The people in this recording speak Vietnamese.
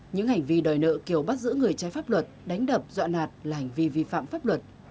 những hành vi đòi nợ kiều bắt giữ người trái pháp luật đánh đập dọa nạt là hành vi vi phạm pháp luật